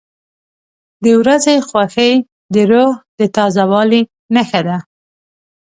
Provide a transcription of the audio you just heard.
• د ورځې خوښي د روح د تازه والي نښه ده.